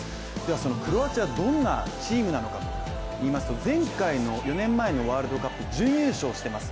そのクロアチア、どんなチームなのかといいますと、前回の４年前のワールドカップ準優勝しています。